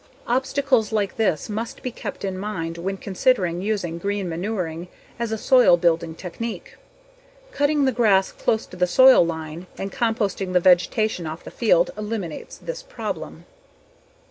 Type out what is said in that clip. Obstacles like this must be kept in mind when considering using green manuring as a soil building technique. Cutting the grass close to the soil line and composting the vegetation off the field eliminates this problem.